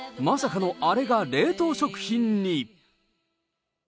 まさかのあれが冷凍食品に。